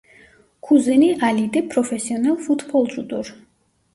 Kuzeni Ali de profesyonel futbolcudur.